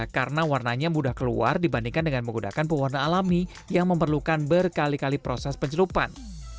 karena warnanya mudah keluar dibandingkan dengan menggunakan pewarna alami yang memerlukan berkali kali proses pencelupan